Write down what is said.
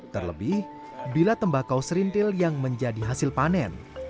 terlebih bila tembakau serintil yang menjadi hasil panen